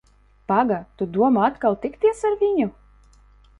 Paga, tu domā atkal tikties ar viņu?